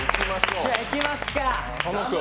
じゃあいきますか。